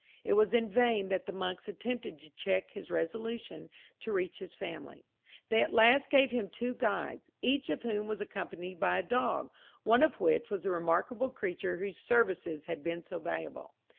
It was in vain that the monks attempted to check his resolution to reach his family. They at last gave him two guides, each of whom was accompanied by a dog, one of which was the remarkable creature whose services had been so valuable.